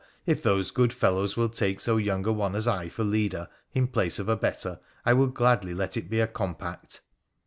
if those good fellows will take so young a one as I for leader, in place of a better, I will gladly let it be a compact.'